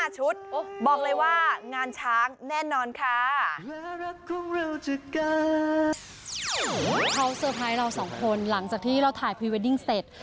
ชุดเจ้าบ่าวเจ้าสาวจัดเต็มคนละ๕ชุด